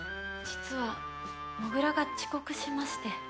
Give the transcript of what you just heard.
実はもぐらが遅刻しまして。